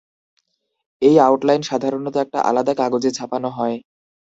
এই আউটলাইন সাধারণত একটা আলাদা কাগজে ছাপানো হয়।